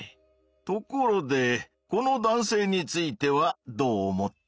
ところでこの男性についてはどう思った？